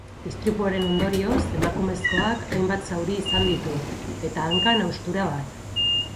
Istripuaren ondorioz, emakumezkoak hainbat zauri izan ditu, eta hankan haustura bat.